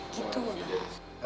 gitu loh abah